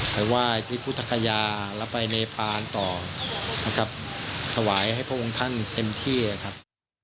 ไปไหว้ที่พุทธคยาแล้วไปเนปานต่อนะครับถวายให้พระองค์ท่านเต็มที่นะครับ